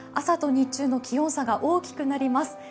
朝と日中の気温差が大きくなります。